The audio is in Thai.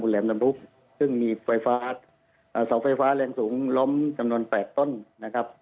สมุดแหลมตะลุมพุกซึ่งมีเสาไฟฟ้าแรงสูงล้มจำนวน๘ต้นนะครับ